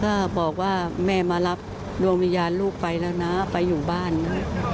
ก็บอกว่าแม่มารับดวงวิญญาณลูกไปแล้วนะไปอยู่บ้านนะ